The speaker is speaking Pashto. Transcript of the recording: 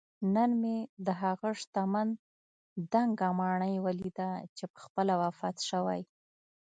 نن مې دهغه شتمن دنګه ماڼۍ ولیده چې پخپله وفات شوی